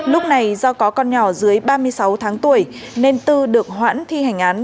lúc này do có con nhỏ dưới ba mươi sáu tháng tuổi nên tư được hoãn thi hành án